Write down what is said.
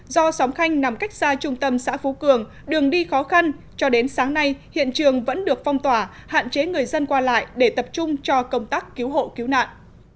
do sóng khanh nằm cách xa trung tâm xã phú cường đường đi khó khăn cho đến sáng nay hiện trường vẫn được phong tỏa hạn chế người dân qua lại để tập trung cho công tác cứu hộ cứu nạn